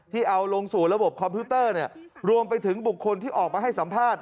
เอาลงสู่ระบบคอมพิวเตอร์รวมไปถึงบุคคลที่ออกมาให้สัมภาษณ์